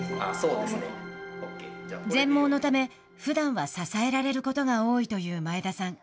全盲のためふだんは支えられることが多いという前田さん。